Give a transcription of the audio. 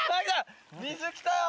水来たよ！